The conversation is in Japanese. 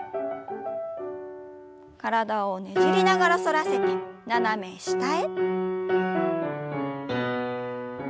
体をねじりながら反らせて斜め下へ。